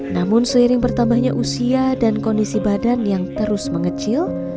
namun seiring bertambahnya usia dan kondisi badan yang terus mengecil